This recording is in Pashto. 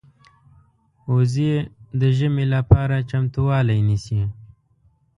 وزې د ژمې لپاره چمتووالی نیسي